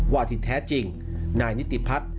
ที่แท้จริงนายนิติพัฒน์